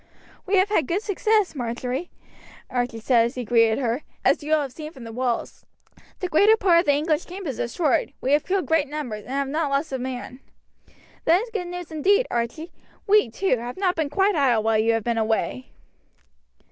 "We have had good success, Marjory," Archie said as he greeted her, "as you will have seen from the walls. The greater part of the English camp is destroyed; we have killed great numbers, and have not lost a man." "That is good news indeed, Archie. We, too, have not been quite idle while you have been away."